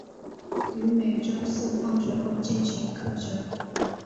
于每周四放学后进行课程。